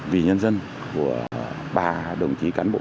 vì nhân dân của ba đồng chí cán bộ